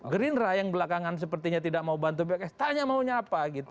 gerindra yang belakangan sepertinya tidak mau bantu pks tanya maunya apa gitu